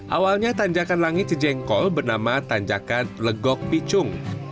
awalnya tanjakan langit cijengkol bernama tanjakan legok picung